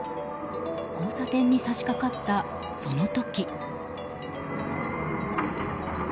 交差点に差し掛かった、その時。